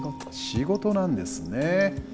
仕事なんですね。